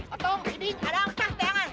otong ini ada angkah ya nggak